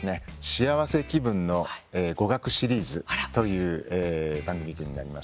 「しあわせ気分のゴガク」シリーズという番組になります。